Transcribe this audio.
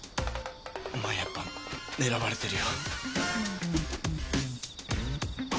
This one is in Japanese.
お前やっぱ狙われてるよ。